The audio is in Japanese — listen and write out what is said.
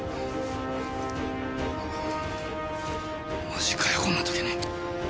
あぁマジかよこんな時に。